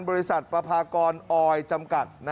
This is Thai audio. บริษัทประพากรอออยจำกัด